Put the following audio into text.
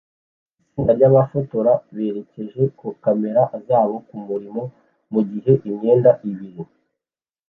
Itsinda ryabafotora berekeje kamera zabo kumurima mugihe imyenda ibiri